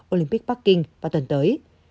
olympic bắc kinh vào tuần tới